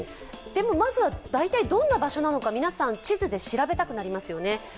でも、まずは大体どんな場所なのか皆さん、地図で調べたくなりますよね。